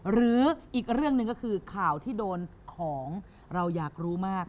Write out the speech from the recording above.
หรืออีกเรื่องหนึ่งก็คือข่าวที่โดนของเราอยากรู้มาก